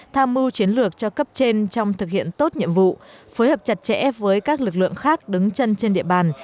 tham mưu chiến lược cho cấp trên trong thực hiện tốt nhiệm vụ phối hợp chặt chẽ với các lực lượng khác đứng chân trên địa bàn